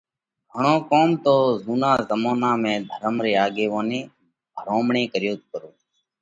گھڻو ڪوم تو زُونا زمونا ۾ ڌرم ري آڳيووني ڀرومڻي ڪريوت پرو